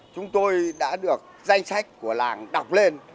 chúng tôi đã được danh sách của làng đọc lên